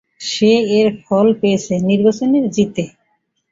সে এর ফল পেয়েছে নির্বাচনে জিতে।